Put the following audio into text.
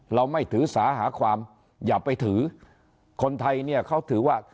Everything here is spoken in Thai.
เราไม่ถือสาหาความอย่าไปถือคนไทยเนี่ยเขาถือว่า